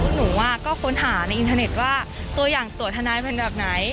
หนูก็ค้นหาในอินเทอร์เน็ตว่าตัวอย่างตัวทนายเป็นแบบไหน